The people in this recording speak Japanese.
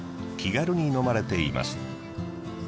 気軽に飲まれています。